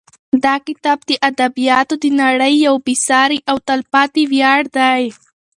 دا کتاب د ادبیاتو د نړۍ یو بې سارې او تلپاتې ویاړ دی.